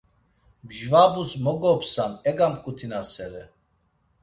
Mjvabus mo gopsam, egamǩutinasere.